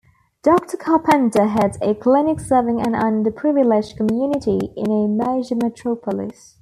Doctor Carpenter heads a clinic serving an underprivileged community in a major metropolis.